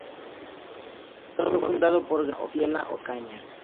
Fue fundado por Graciela Ocaña.